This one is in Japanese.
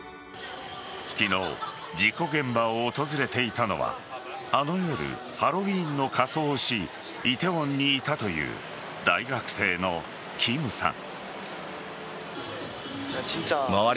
昨日、事故現場を訪れていたのはあの夜、ハロウィーンの仮装をし梨泰院にいたという大学生のキムさん。